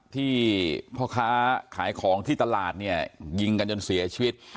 ที่พ่อค้าขายของที่ตลาดเนี่ยยิงกันจนเสียชีวิต